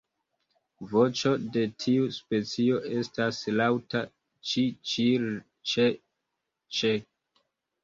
Voĉo de tiu specio estas laŭta "ĉi-ĉil-ĉee-ĉe".